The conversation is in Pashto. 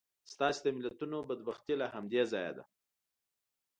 ستاسې د ملتونو بدبختي له همدې ځایه ده.